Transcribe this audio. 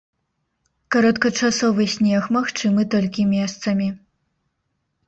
Кароткачасовы снег магчымы толькі месцамі.